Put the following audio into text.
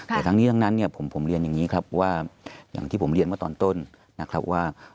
แต่ทั้งนี้ทั้งนั้นเนี่ยผมเรียนอย่างนี้ครับว่าอย่างที่ผมเรียนเมื่อตอนต้นนะครับว่า